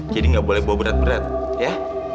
jadi gak boleh bawa berat berat ya